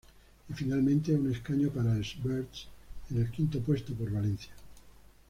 Y finalmente un escaño para Els Verds en el quinto puesto por Valencia.